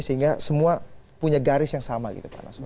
sehingga semua punya garis yang sama gitu pak anas